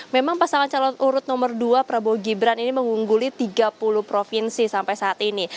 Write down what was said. memang pasangan calon urut nomor dua prabowo gibran ini mengungguli tiga puluh provinsi sampai saat ini